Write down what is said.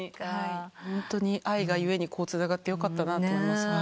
ホントに愛が故につながってよかったなと思います。